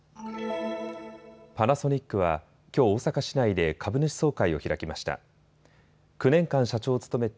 パナソニックは、きょう大阪市内で株主総会を開きました。